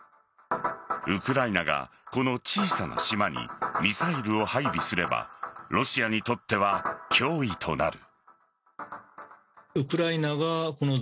ウクライナがこの小さな島にミサイルを配備すればロシアにとっては脅威となる。